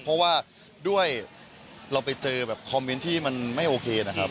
เพราะว่าด้วยเราไปเจอแบบคอมเมนต์ที่มันไม่โอเคนะครับ